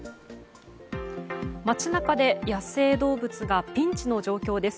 街中で野生動物がピンチの状況です。